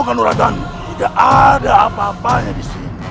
kehanuratan tidak ada apa apanya di sini